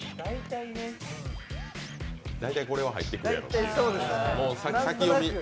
大体、これは入ってくるやろ先読み。